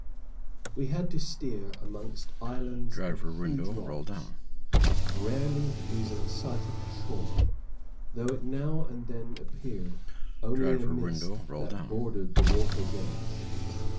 We had to steer amongst islands and huge rocks, rarely losing sight of the shore, though it now and then appeared only a mist that bordered the water's edge.